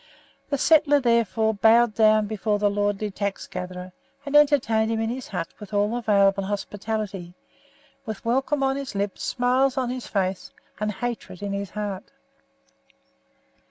The settler therefore bowed down before the lordly tax gatherer, and entertained him in his hut with all available hospitality, with welcome on his lips, smiles on his face, and hatred in his heart.